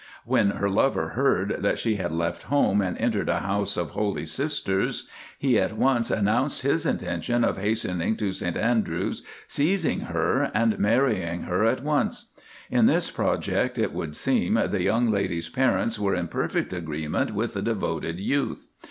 When her lover heard that she had left home and entered a house of Holy Sisters, he at once announced his intention of hastening to St Andrews, seizing her, and marrying her at once. In this project it would seem the young lady's parents were in perfect agreement with the devoted youth.